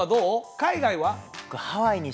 海外は？